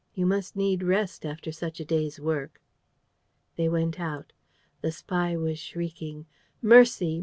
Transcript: You must need rest after such a day's work." They went out. The spy was shrieking: "Mercy!